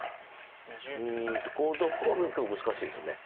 うんこういうとこは結構難しいです。